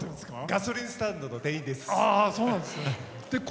ガソリンスタンドの店員です。